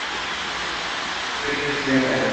Pepe Sierra.